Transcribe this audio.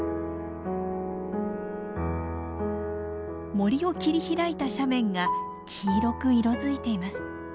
森を切り開いた斜面が黄色く色づいています。